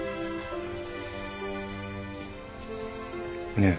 ねえ？